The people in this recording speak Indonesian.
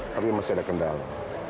tapi masih ada kendala